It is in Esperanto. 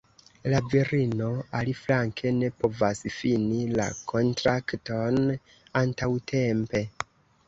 La virino aliflanke ne povas fini la kontrakton antaŭtempe.